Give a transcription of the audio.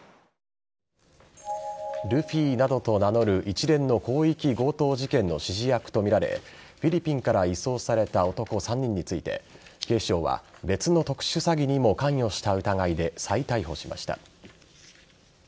ルフィなどと名乗る一連の広域強盗事件の指示役とみられフィリピンから移送された男３人について警視庁は別の特殊詐欺にも関与した疑いで再逮捕しました。